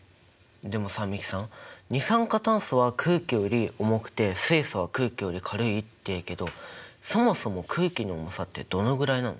でもさ美樹さん二酸化炭素は空気より重くて水素は空気より軽いっていうけどそもそも空気の重さってどのぐらいなの？